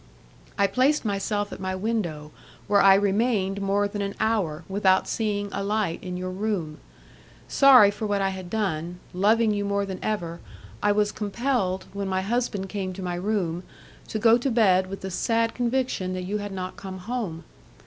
I placed myself at my window, where I remained more than an hour without seeing a light in your room. Sorry for what I had done, loving you more than ever, I was compelled, when my husband came to my room, to go to bed with the sad conviction that you had not come home.